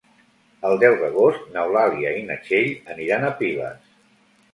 El deu d'agost n'Eulàlia i na Txell aniran a Piles.